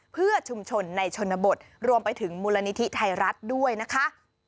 เพื่อชุมชนในชนบทรวมไปถึงมูลนิธิไทยรัฐด้วยนะคะ